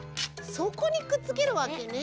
そこにくっつけるわけね。